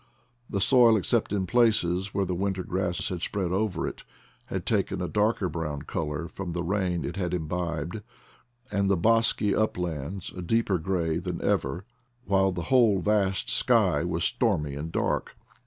The soil, except in places where the winter grass had spread over it, had taken a darker brown color from the rain it had imbibed, and the bosky uplands a deeper gray than ever, while the whole vast sky was stormy and dark.